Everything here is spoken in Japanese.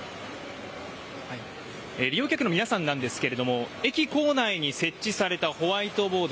利用客の皆さんですが駅構内に設置されたホワイトボード